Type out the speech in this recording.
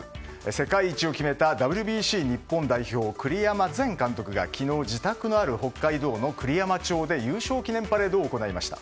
世界一を決めたＷＢＣ日本代表の栗山前監督が昨日自宅のある北海道の栗山町で優勝記念パレードを行いました。